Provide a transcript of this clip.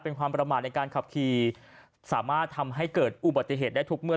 เป็นความประมาทในการขับขี่สามารถทำให้เกิดอุบัติเหตุได้ทุกเมื่อ